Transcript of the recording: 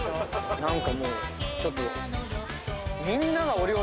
なんかもうちょっと。